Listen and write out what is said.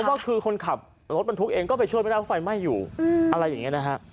ว่าคือคนขับรถบรรทุกเองก็ไปช่วยไม่ได้เพราะไฟไหม้อยู่อะไรอย่างนี้นะฮะ